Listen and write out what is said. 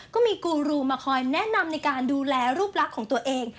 กูรูมาคอยแนะนำในการดูแลรูปลักษณ์ของตัวเอง